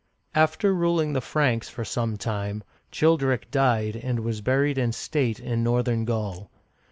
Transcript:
After ruling the Franks for some time, Childeric died and was buried in state in northern Gaul.